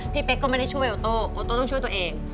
เป๊กก็ไม่ได้ช่วยโอโต้โอโต้ต้องช่วยตัวเอง